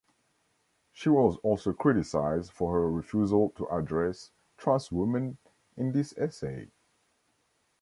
She was also criticized for her refusal to address transwomen in this essay.